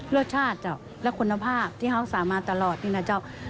รสชาติเจ้าและคุณภาพที่เขาสามารถตลอดนี่นะเจ้า